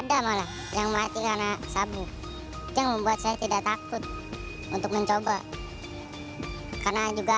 namun pengetahuan tersebut tidak menghalangi mereka untuk mencicipi narkoba